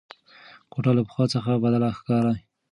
کوټه له پخوا څخه بدله ښکاري.